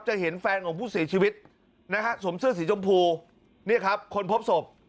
จะเห็นแฟนของผู้เสียชีวิตสวมเสื้อสีจมพูคนพบศพ